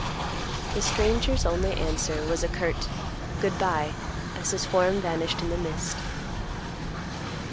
The stranger's only answer was a curt "Good by," as his form vanished in the mist.